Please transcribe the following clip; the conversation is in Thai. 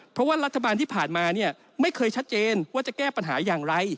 เพราะว่ารัฐบาลที่ผ่านมาเนี่ยไม่เคยชัดเจนว่าจะแก้ปัญหาอย่างไร